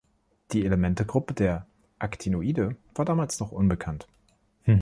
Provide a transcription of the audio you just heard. Die Elementegruppe der Actinoide war damals noch unbekannt.